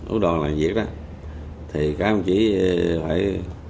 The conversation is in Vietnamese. úc đòn làm việc đó thì cán bộ công an xã hòa mỹ